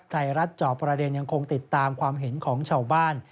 ไทยรัฐจอบประเด็นยังคงติดตามความเห็นของชาวบ้าน